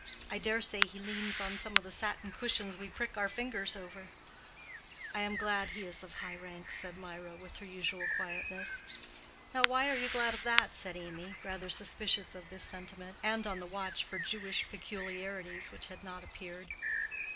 I dare say he leans on some of the satin cushions we prick our fingers over." "I am glad he is of high rank," said Mirah, with her usual quietness. "Now, why are you glad of that?" said Amy, rather suspicious of this sentiment, and on the watch for Jewish peculiarities which had not appeared.